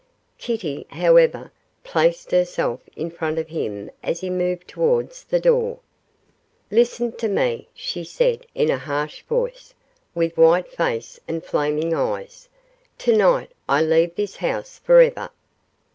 Kitty, however, placed herself in front of him as he moved towards the door. 'Listen to me,' she said, in a harsh voice, with white face and flaming eyes; 'to night I leave this house for ever.